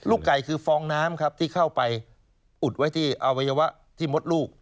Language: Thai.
ไก่คือฟองน้ำครับที่เข้าไปอุดไว้ที่อวัยวะที่มดลูก